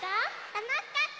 たのしかった！